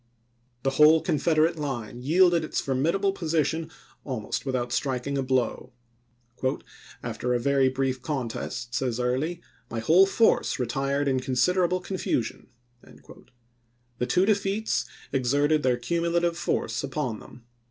The whole Confederate line yielded its formidable position almost without striking a blow. " After a very brief contest," says ibid. Early, " my whole force retired in considerable con fusion." The two defeats exerted their cumulative force upon them.